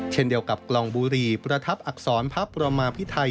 เช่นเดียวกับกล่องบุรีประทับอักษรพระประมาพิไทย